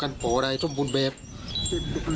ถ้าหนูทำแบบนั้นพ่อจะไม่มีรับบายเจ้าให้หนูได้เอง